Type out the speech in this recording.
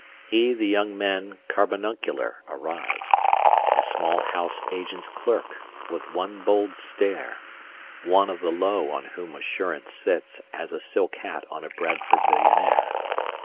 230 He, the young man carbuncular, arrives, A small house agent's clerk, with one bold stare, One of the low on whom assurance sits As a silk hat on a Bradford millionaire.